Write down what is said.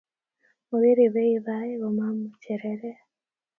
Mokiribei bai komaam cherere